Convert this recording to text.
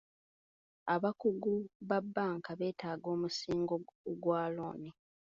Abakungu ba bbanka betaaga omusingo ogwa looni.